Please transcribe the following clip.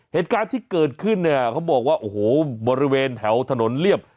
เหตุการณ์ที่เกิดขึ้นเนี่ยเขาบอกว่าโอ้โหบริเวณแถวถนนเรียบ